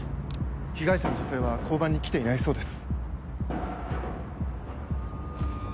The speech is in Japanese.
被害者の女性は交番に来ていないそうです。